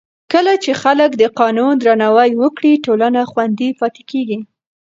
کله چې خلک د قانون درناوی وکړي، ټولنه خوندي پاتې کېږي.